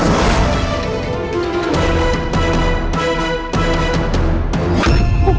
aku sudah berhenti